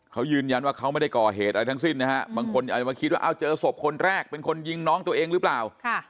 เขายืนยันว่าเขาไม่ได้ก่อเหตุอะไรทั้งสิ้นนะฮะ